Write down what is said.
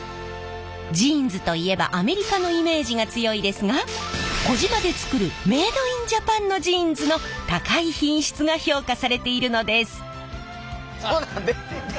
ジーンズといえばアメリカのイメージが強いですが児島で作るメードインジャパンのジーンズの高い品質が評価されているのです！